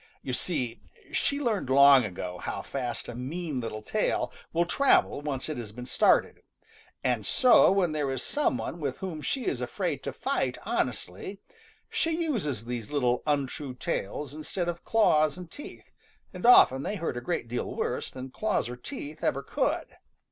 You see, she learned long ago how fast a mean little tale will travel once it has been started, and so when there is some one with whom she is afraid to fight honestly, she uses these little untrue tales instead of claws and teeth, and often they hurt a great deal worse than claws or teeth ever could.